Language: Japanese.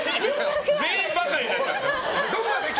全員バカになっちゃった。